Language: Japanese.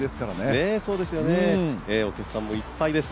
お客さんもいっぱいです。